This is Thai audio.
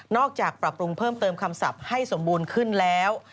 จากปรับปรุงเพิ่มเติมคำศัพท์ให้สมบูรณ์ขึ้นแล้ว